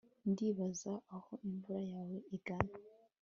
Ndibaza aho imvugo yawe igana